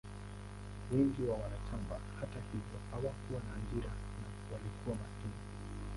Wengi wa wanachama, hata hivyo, hawakuwa na ajira na walikuwa maskini.